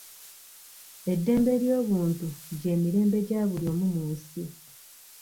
Eddembe ly'obuntu gy'emirembe gya buli omu mu nsi.